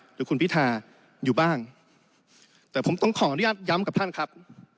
หรือคุณพิธาอยู่บ้างแต่ผมต้องขออนุญาตย้ำกับท่านครับ